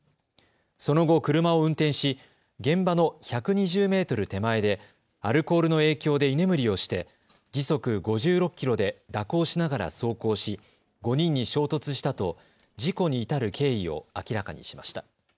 その後、車を運転し現場の１２０メートル手前でアルコールの影響で居眠りをして時速５６キロで蛇行しながら走行し５人に衝突したと事故に至る経緯を明らかにしました。